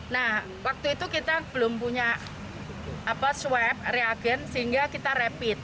nah waktu itu kita belum punya swab reagen sehingga kita rapid